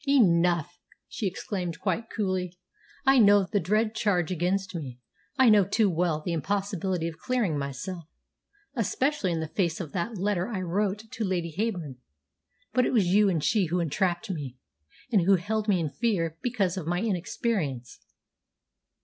"Enough!" she exclaimed quite coolly. "I know the dread charge against me. I know too well the impossibility of clearing myself, especially in the face of that letter I wrote to Lady Heyburn; but it was you and she who entrapped me, and who held me in fear because of my inexperience."